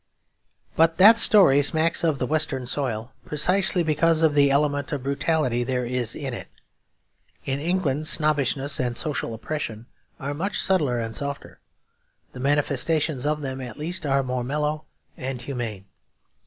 But that story smacks of the western soil, precisely because of the element of brutality there is in it. In England snobbishness and social oppression are much subtler and softer; the manifestations of them at least are more mellow and humane.